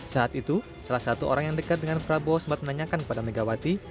saat itu salah satu orang yang dekat dengan prabowo sempat menanyakan kepada megawati